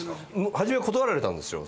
初めは断られたんですよ。